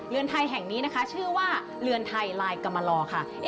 ไทยแห่งนี้นะคะชื่อว่าเรือนไทยลายกรรมลอค่ะ